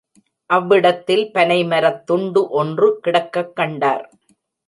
அவ்விடத்தில் பனைமரத்துண்டு ஒன்று கிடக்கக்கண்டார்.